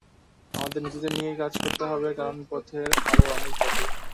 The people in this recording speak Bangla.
আমাদের নিজেদের নিয়েই কাজ করতে হবে, কারণ পথের আরও অনেক বাকি।